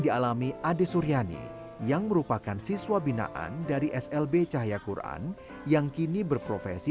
dialami ade suryani yang merupakan siswa binaan dari slb cahaya quran yang kini berprofesi